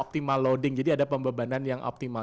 optimal loading jadi ada pembebanan yang optimal